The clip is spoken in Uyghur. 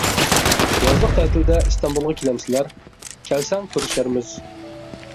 يازلىق تەتىلدە ئىستانبۇلغا كېلەمسىلەر؟ كەلسەڭ كۆرۈشەرمىز.